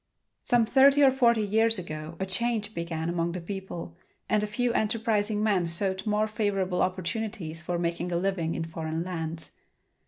Some thirty or forty years ago a change began among the people and a few enterprising men sought more favorable opportunities for making a living in foreign lands.